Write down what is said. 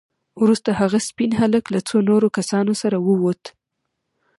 وروسته هغه سپين هلک له څو نورو کسانو سره ووت.